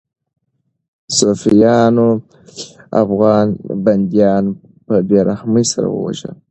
صفویانو افغان بندیان په بې رحمۍ سره ووژل.